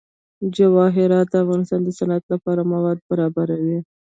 جواهرات د افغانستان د صنعت لپاره مواد برابروي.